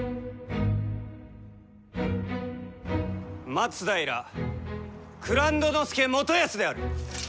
松平蔵人佐元康である！